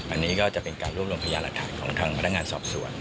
อันนี้ก็จะเป็นการรวบรวมพยาหลักฐานของทางพนักงานสอบสวน